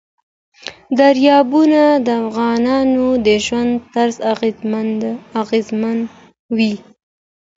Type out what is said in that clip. دریابونه د افغانانو د ژوند طرز اغېزمنوي.